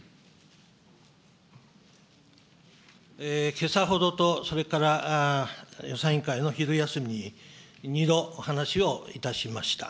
けさほどと、それから予算委員会の昼休み、２度、話をいたしました。